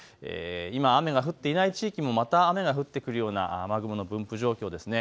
今、雨が降っていない地域もまた雨が降ってくるような雨雲の分布状況です。